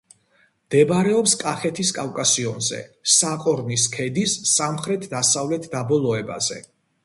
მდებარეობს კახეთის კავკასიონზე, საყორნის ქედის სამხრეთ-დასავლეთ დაბოლოებაზე.